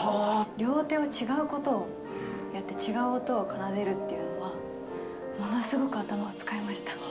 両手を違うことをやって、違う音を奏でるっていうのは、ものすごく頭を使いました。